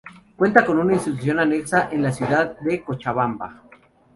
Cuenta con una institución anexa en la ciudad de Cochabamba.